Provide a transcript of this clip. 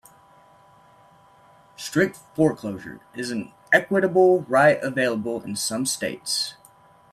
"Strict foreclosure" is an equitable right available in some states.